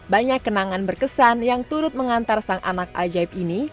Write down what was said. banyak kenangan berkesan yang turut mengantar sang anak ajaib ini